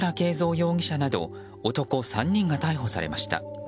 容疑者など男３人が逮捕されました。